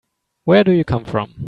Where do you come from?